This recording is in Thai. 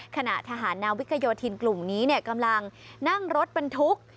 ขณะทหารนาวิกโยธินกลุ่มนี้กำลังนั่งรถบรรทุก